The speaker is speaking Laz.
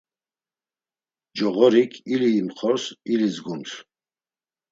Coğorik ili imxors ili zgums.